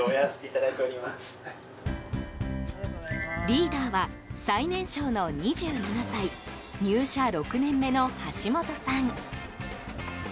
リーダーは最年少の２７歳入社６年目の橋本さん。